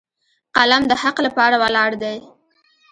قلم د حق لپاره ولاړ دی